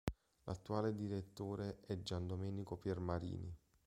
L'attuale direttore è Giandomenico Piermarini.